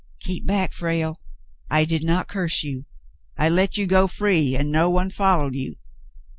"Keep back, Frale. I did not curse you. I let you go free, and no one followed you.